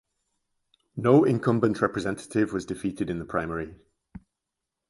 No incumbent representative was defeated in the primary.